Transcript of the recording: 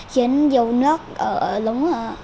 khiến nhiều nước ở lống